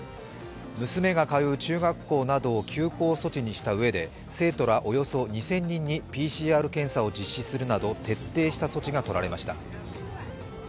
娘が通う中学校などを休校措置にしたうえで生徒らおよそ２０００人にＰＣＲ検査を実施するなど徹底した措置が取られました。